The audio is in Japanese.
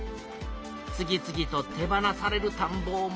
次々と手放されるたんぼを守りたい。